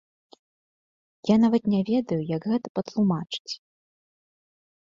Я, нават, не ведаю, як гэта патлумачыць.